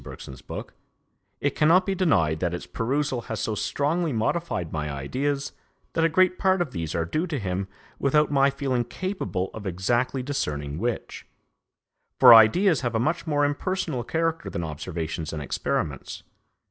Bergson's book, it cannot be denied that its perusal has so strongly modified my ideas that a great part of these are due to him without my feeling capable of exactly discerning which; for ideas have a much more impersonal character than observations and experiments.